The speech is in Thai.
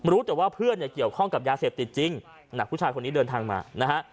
รู้แต่ว่าเพื่อนเนี่ยเกี่ยวข้องกับยาเสพติดจริงหนักผู้ชายคนนี้เดินทางมานะฮะ